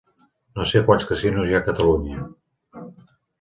No sé quants casinos hi ha a Catalunya.